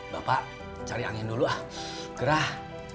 bapak cari angin dulu ah gerah